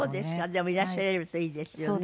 でもいらっしゃれるといいですよね。